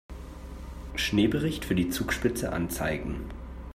Schneebericht für die Zugspitze anzeigen.